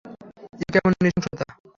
এ কেমন নৃশংসতা?